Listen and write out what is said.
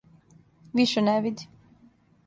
Више не види.